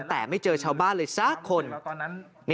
แต่ไม่เจอชาวบ้านเลยสักคน